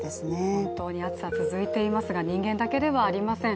本当に暑さ続いていますが、人間だけではありません。